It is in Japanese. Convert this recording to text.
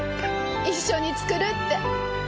一緒に作るって。